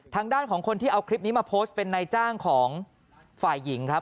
ทางด้านของคนที่เอาคลิปนี้มาโพสต์เป็นนายจ้างของฝ่ายหญิงครับ